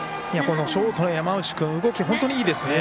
ショートの山内君動きが本当にいいですね。